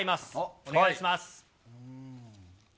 お願いします。